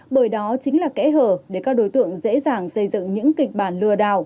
bởi đó chính là kẽ hở để các đối tượng dễ dàng xây dựng những kịch bản lừa đảo